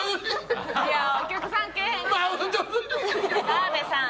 澤部さん